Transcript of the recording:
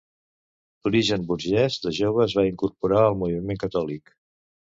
D'origen burgès, de jove es va incorporar al moviment catòlic.